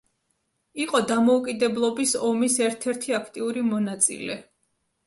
იყო დამოუკიდებლობის ომის ერთ-ერთი აქტიური მონაწილე.